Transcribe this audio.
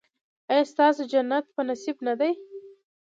ایا ستاسو جنت په نصیب نه دی؟